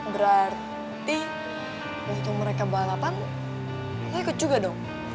berarti waktu mereka balapan saya ikut juga dong